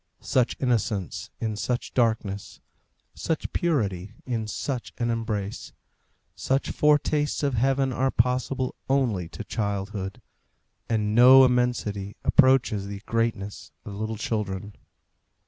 Such innocence in such darkness, such purity in such an embrace; such foretastes of heaven are possible only to childhood, and no immensity approaches the greatness of little children.